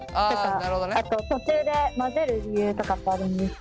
あと途中で混ぜる理由とかってあるんですか？